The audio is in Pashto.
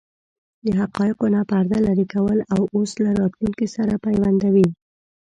د حقایقو نه پرده لرې کوي او اوس له راتلونکې سره پیوندوي.